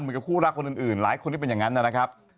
คู่รักคนอื่นหลายคนที่เป็นอย่างนั้นนะครับ